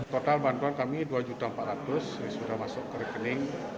total bantuan kami dua empat ratus ini sudah masuk ke rekening